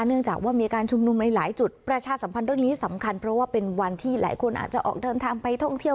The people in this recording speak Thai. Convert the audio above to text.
เนื่องจากว่ามีการชุมนุมในหลายจุดประชาสัมพันธ์เรื่องนี้สำคัญเพราะว่าเป็นวันที่หลายคนอาจจะออกเดินทางไปท่องเที่ยว